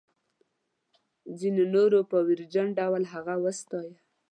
ځینو نورو په ویرجن ډول هغه وستایه.